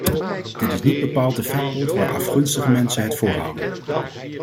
Dit is niet bepaald de vetpot waar afgunstige mensen het voor houden.